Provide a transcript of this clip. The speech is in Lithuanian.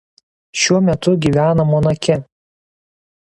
Šiuo metu gyvena Monake.